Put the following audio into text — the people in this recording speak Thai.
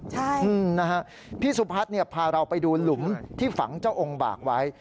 ใช่นะฮะพี่สุพัฒน์พาเราไปดูหลุมที่ฝังเจ้าองค์บากไว้